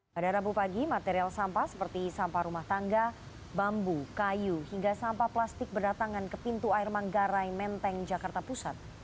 pada rabu pagi material sampah seperti sampah rumah tangga bambu kayu hingga sampah plastik berdatangan ke pintu air manggarai menteng jakarta pusat